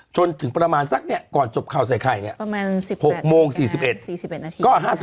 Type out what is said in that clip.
จนถึงประมาณสักเนี่ยก่อนจบข่าวใส่ไข่เนี่ยประมาณ๑๖โมง๔๑๔๑นาที